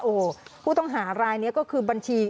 โอ้โหผู้ต้องหารายนี้ก็คือบัญชี